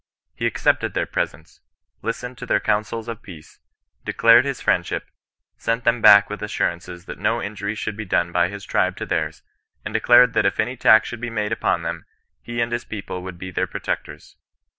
He accepted their presents, listened to their counsels of peace, declared his friendship, sent them back with assurances that no injury should be done by his tribe to theirs, and declared that if any attack should be made upon them, he and his people would be their protectors.